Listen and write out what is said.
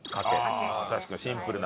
確かにシンプルな。